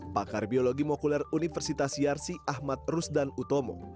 pakar biologi mokuler universitas yarsi ahmad rusdan utomo